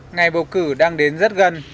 ngày bầu cử đang đến rất gần